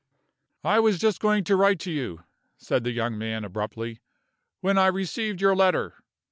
"I was just going to write to you," said the young man, abruptly, "when I received your letter.